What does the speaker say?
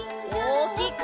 おおきく！